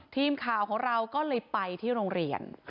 ทีมข่าวของเราก็เลยไปที่โรงเรียน